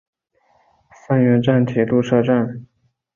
三原站铁路车站。